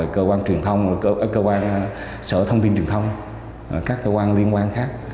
cơ quan sở thông tin truyền thông các cơ quan liên quan khác